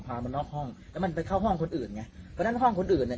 พามันนอกห้องแล้วมันไปเข้าห้องคนอื่นไงเพราะฉะนั้นห้องคนอื่นเนี้ย